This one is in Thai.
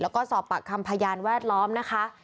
แล้วก็สอบปากคำพยานแวดล้อมนะคะ